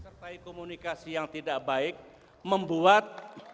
sertai komunikasi yang tidak baik membuat